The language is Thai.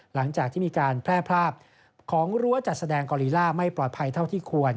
หลังจากที่มีการแพร่ภาพของรั้วจัดแสดงกอลีล่าไม่ปลอดภัยเท่าที่ควร